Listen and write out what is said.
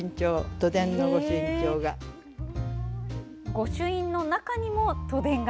ご朱印の中にも都電が。